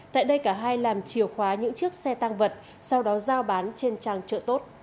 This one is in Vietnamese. tại đây cả hai làm chiều khóa những chiếc xe tăng vật sau đó giao bán trên trang trợ tốt